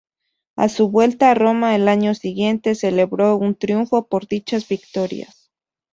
A su vuelta a Roma al año siguiente, celebró un triunfo por dichas victorias.